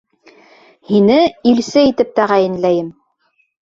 Һине илсе итеп тәғәйенләйем!